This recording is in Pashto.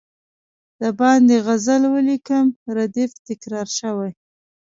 د باندي غزل ولیکم ردیف تکرار شوی.